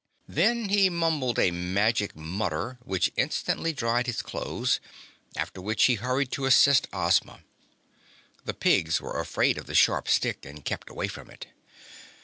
Then he mumbled a magic mutter which instantly dried his clothes, after which he hurried to assist Ozma. The pigs were afraid of the sharp stick and kept away from it.